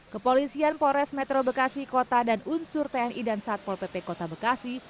kepolisian polres metro bekasi kota dan unsur tni dan satpol pp kota bekasi